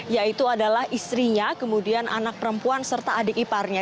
yaitu adalah istrinya kemudian anak perempuan serta adik iparnya